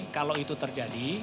kalau itu terjadi